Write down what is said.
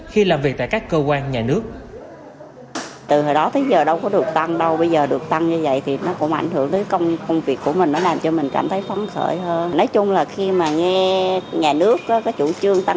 khi làm việc tại các cơ quan nhà nước